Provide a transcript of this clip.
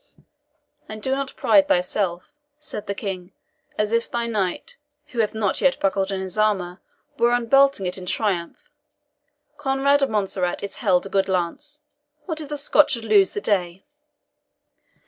"And do not thou pride thyself," said the King, "as if thy knight, who hath not yet buckled on his armour, were unbelting it in triumph Conrade of Montserrat is held a good lance. What if the Scot should lose the day?"